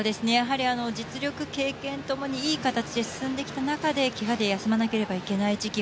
実力、経験共にいい形で進んできた中でけがで休まなければいけない時期